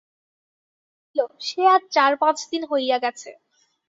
ভজু কহিল, সে আজ চার-পাঁচ দিন হইয়া গেছে।